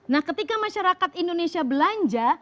nah ketika masyarakat indonesia belanja